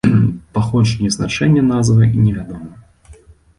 Паходжанне і значэнне назвы невядома.